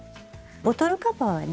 ボトルカバーはね